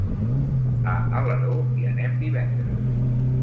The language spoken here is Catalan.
A Alaró hi anem divendres.